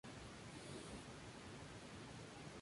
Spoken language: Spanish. Algunos servicios sólo funcionan durante las horas punta o pico.